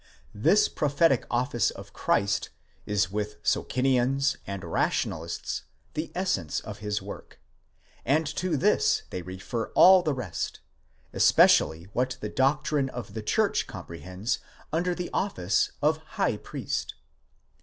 'This prophetic office of Christ is with Socinians and Rationalists the essence of his work, and to this they refer all the rest, especially what the doctrine of the Church comprehends under the office of high priest.